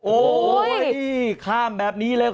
โอ้โหโอ้โห